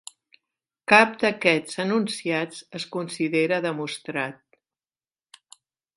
Cap d'aquests enunciats es considera demostrat.